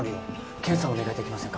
検査お願いできませんか？